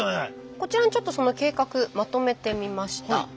こちらにちょっとその計画まとめてみました。